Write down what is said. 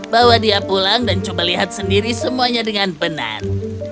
bawa dia pulang dan coba lihat sendiri semuanya dengan benar